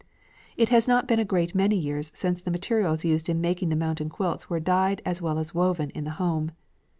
It has not been a great many years since the materials used in making the mountain quilts were dyed as well as woven in the home.